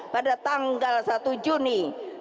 pada tanggal satu juni